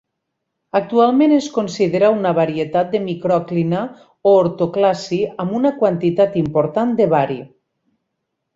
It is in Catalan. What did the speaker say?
Actualment es considera una varietat de microclina o ortòclasi amb una quantitat important de bari.